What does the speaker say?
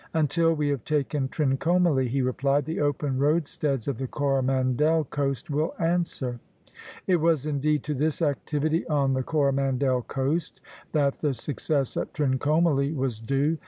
'Until we have taken Trincomalee,' he replied, 'the open roadsteads of the Coromandel coast will answer.'" It was indeed to this activity on the Coromandel coast that the success at Trincomalee was due.